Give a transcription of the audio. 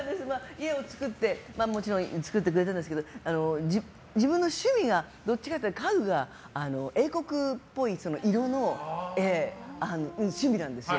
家を作ってもちろん作ってくれたんですけど自分の趣味がどっちかっていったら家具が英国っぽい色の趣味なんですよ。